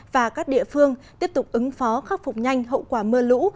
và các địa phương tiếp tục ứng phó khắc phục nhanh hậu quả mưa lũ